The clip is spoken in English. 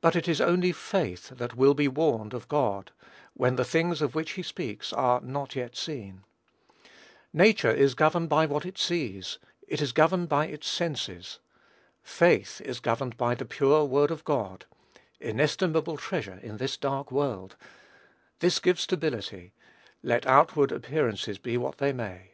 But it is only "faith" that will be "warned of God," when the things of which he speaks are "not seen as yet." Nature is governed by what it sees, it is governed by its senses. Faith is governed by the pure word of God; (inestimable treasure in this dark world!) this gives stability, let outward appearances be what they may.